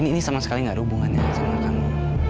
ini sama sekali gak ada hubungannya sama kamu